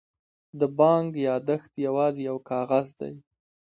د بانک یادښت یوازې یو کاغذ دی.